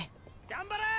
・頑張れ！